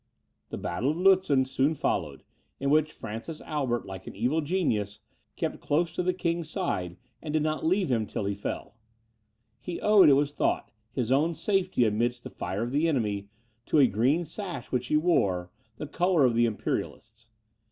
The battle of Lutzen soon followed, in which Francis Albert, like an evil genius, kept close to the king's side and did not leave him till he fell. He owed, it was thought, his own safety amidst the fire of the enemy, to a green sash which he wore, the colour of the Imperialists.